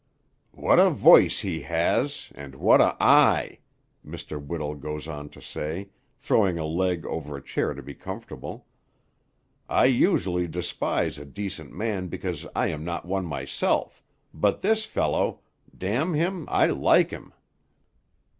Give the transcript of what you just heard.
"What a voice he has, and what a eye," Mr. Whittle goes on to say, throwing a leg over a chair to be comfortable. "I usually despise a decent man because I am not one myself, but this fellow damn him, I like him."